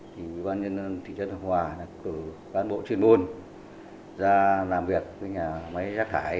thì ủy ban nhân dân thị trấn hợp hòa đã cử cán bộ chuyên môn ra làm việc với nhà máy rác thải